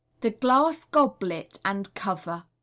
The Glass Goblet and Cover.